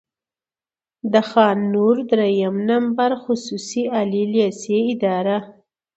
د خان نور دريیم نمبر خصوصي عالي لېسې اداره،